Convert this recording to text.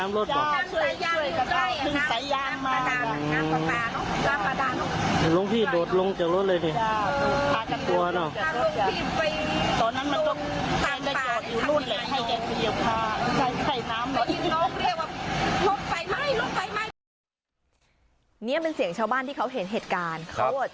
นี่เป็นเสียงชาวบ้านที่เขาเห็นเหตุการณ์